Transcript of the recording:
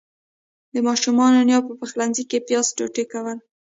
د ماشومانو نيا په پخلنځي کې پياز ټوټه کول.